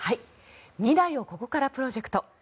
未来をここからプロジェクト